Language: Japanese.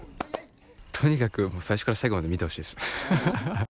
とにかく最初から最後まで見てほしいです。